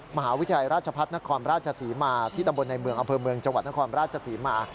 มหาวิทยาลัยราชพัฒนครราชศรีมาที่ตำบลในเมืองอำเภอเมืองจังหวัดนครราชศรีมา